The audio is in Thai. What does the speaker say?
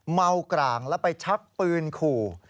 มากร่างแล้วไปชักปืนขู่